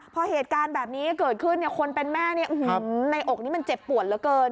พอเหตุการณ์แบบนี้เกิดขึ้นคนเป็นแม่ในอกนี้มันเจ็บปวดเหลือเกิน